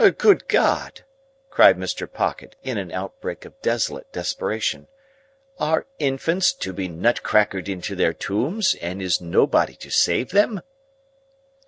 "Good God!" cried Mr. Pocket, in an outbreak of desolate desperation. "Are infants to be nut crackered into their tombs, and is nobody to save them?"